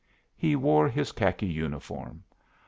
He wore his khaki uniform.